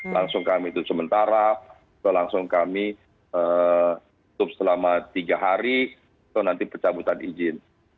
langsung kami itu sementara langsung kami tutup selama tiga hari lalu nanti pecah butan izin